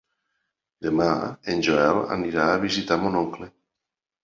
Demà en Joel anirà a visitar mon oncle.